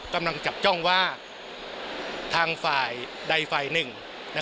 กำลังจับจ้องว่าทางฝ่ายใดฝ่ายหนึ่ง